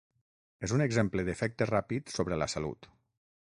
És un exemple d'efecte ràpid sobre la salut.